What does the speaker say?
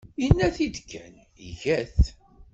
Yenna-t-id kan, iga-t.